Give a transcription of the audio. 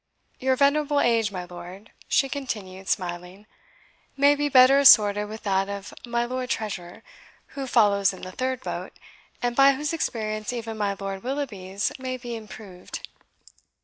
Your venerable age, my lord," she continued, smiling, "may be better assorted with that of my Lord Treasurer, who follows in the third boat, and by whose experience even my Lord Willoughby's may be improved."